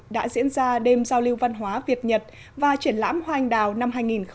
đã diễn ra đêm giao lưu văn hóa việt nhật và triển lãm hoa anh đào năm hai nghìn một mươi chín